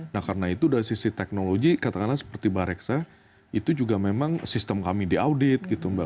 nah karena itu dari sisi teknologi katakanlah seperti mbak reksa itu juga memang sistem kami di audit gitu mbak